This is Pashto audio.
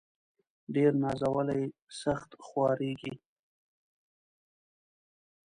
ډير نازولي ، سخت خوارېږي.